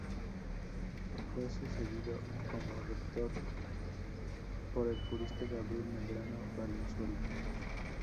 Fue sucedido como rector por el jurista Gabriel Medrano Valenzuela.